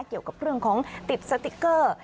เกี่ยวกับเรื่องของติดสติ๊กเกอร์